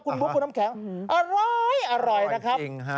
คุณบุ๊คคุณน้ำแข็งอร่อยนะครับอร่อยจริงฮะ